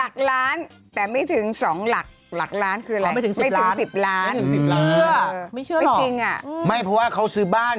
ก่อนที่เจนนี่จะพูดว่าเกิน๑๐ล้าน